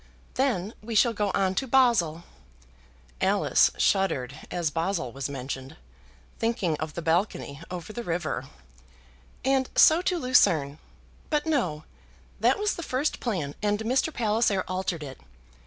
Then we shall go on to Basle" Alice shuddered as Basle was mentioned, thinking of the balcony over the river "and so to Lucerne . But no; that was the first plan, and Mr. Palliser altered it.